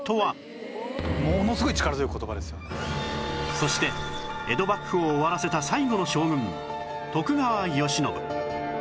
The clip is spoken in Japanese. そして江戸幕府を終わらせた最後の将軍徳川慶喜